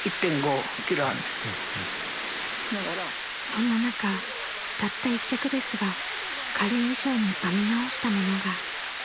［そんな中たった一着ですが軽い衣装に編み直したものが］